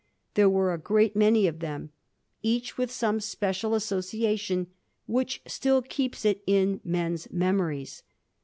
There were a great many of them, each ivith some special association which still keeps it in men's memories.